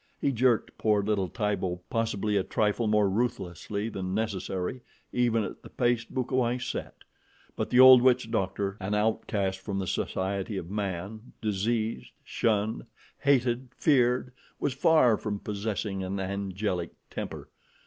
He jerked poor little Tibo possibly a trifle more ruthlessly than necessary even at the pace Bukawai set; but the old witch doctor, an outcast from the society of man, diseased, shunned, hated, feared, was far from possessing an angelic temper.